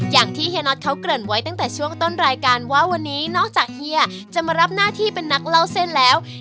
เฮียน็อตเขาเกริ่นไว้ตั้งแต่ช่วงต้นรายการว่าวันนี้นอกจากเฮียจะมารับหน้าที่เป็นนักเล่าเส้นแล้ว